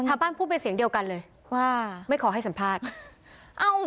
ถามบ้านพูดเป็นเสียงเดียวกันเลยว่าไม่ขอให้สัมภาษณ์เอ้า